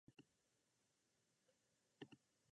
レバノンの首都はベイルートである